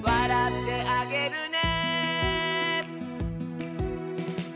「おどってあげるね」